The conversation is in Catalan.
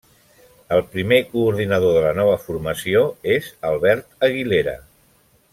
El primer coordinador de la nova formació és Albert Aguilera.